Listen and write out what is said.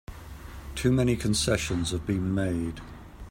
Too many concessions have been made!